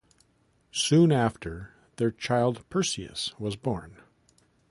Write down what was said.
Soon after, their child Perseus was born.